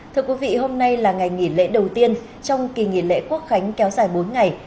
thưa quý vị hôm nay là ngày nghỉ lễ đầu tiên trong kỳ nghỉ lễ quốc khánh kéo dài bốn ngày